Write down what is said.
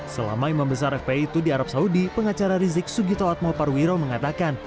selama imam besar fpi itu di arab saudi pengacara rizik sugito atmo parwiro mengatakan